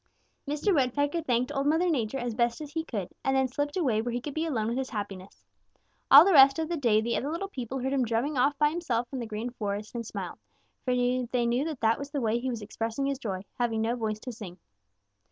Mr. Woodpecker thanked Old Mother Nature as best he could and then slipped away where he could be alone with his happiness. All the rest of the day the other little people heard him drumming off by himself in the Green Forest and smiled, for they knew that that was the way he was expressing his joy, having no voice to sing.